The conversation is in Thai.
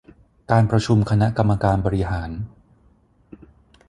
การประชุมคณะกรรมการบริหาร